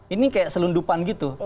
ini kayak selundupan gitu